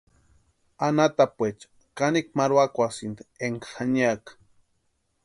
Anhatapuecha kanikwa marhuakwasïnti énka janiaka.